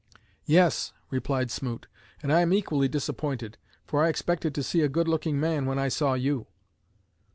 'Yes,' replied Smoot, 'and I am equally disappointed, for I expected to see a good looking man when I saw you.'